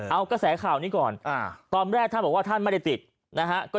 เอากระแสข่าวนี้ก่อนตอนแรกท่านบอกว่าท่านไม่ได้ติดนะฮะ